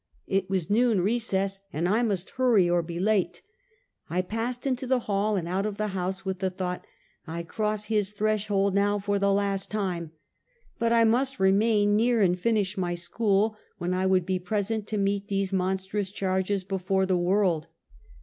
It was noon recess and I must hurry or be late. I passed into the hall and out of the house, with the thought " I cross his threshold now for the last time;" but I must remain near and finish my school, when I would be present to meet those monstrous charges before the world.